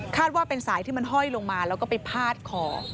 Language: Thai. ว่าเป็นสายที่มันห้อยลงมาแล้วก็ไปพาดคอ